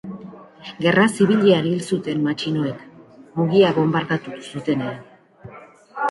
Gerra Zibilean hil zuten matxinoek, Mungia bonbardatu zutenean.